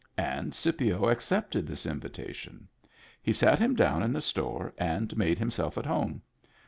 And Scipio accepted this invitation. He sat him down in the store, and made himself at home.